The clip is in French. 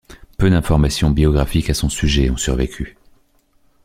Peu d'informations biographiques à son sujet ont survécu.